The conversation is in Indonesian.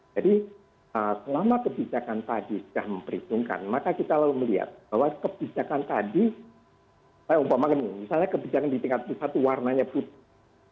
jadi selama kebijakan tadi sudah memperhitungkan maka kita lalu melihat bahwa kebijakan tadi saya umpamanya misalnya kebijakan di tingkat ke satu warnanya putih